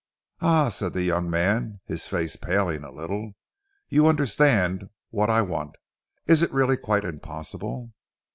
"Ah!" said the young man, his face paling a little, "you understand what I want. Is it really quite impossible?"